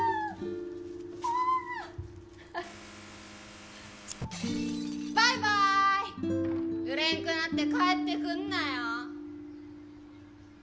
フーッバイバーイ売れんくなって帰ってくんなよ